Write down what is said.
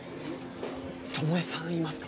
巴さんいますか？